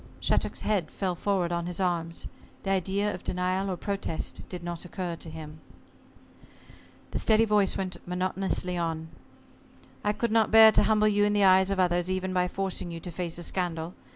Shattuck's head fell forward on his arms. The idea of denial or protest did not occur to him. The steady voice went monotonously on. "I could not bear to humble you in the eyes of others even by forcing you to face a scandal.